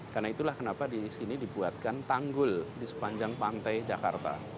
karena itulah kenapa di sini dibuatkan tanggul di sepanjang pantai jakarta